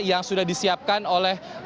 yang sudah disiapkan oleh